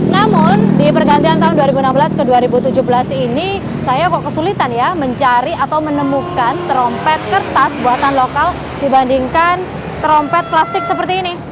namun di pergantian tahun dua ribu enam belas ke dua ribu tujuh belas ini saya kok kesulitan ya mencari atau menemukan trompet kertas buatan lokal dibandingkan trompet plastik seperti ini